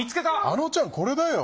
あのちゃんこれだよ。